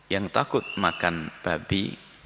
yang takut makan babi